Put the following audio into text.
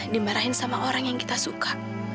dimarahin sama orang yang kita suka